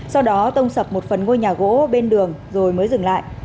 sau đó tông sập một phần ngôi nhà gỗ bên đường rồi mới dừng lại